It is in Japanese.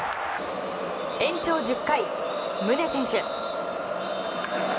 延長１０回、宗選手。